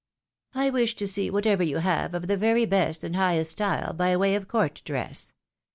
"" I wish to see whatever you have of the very best and high est style, by way of court dress.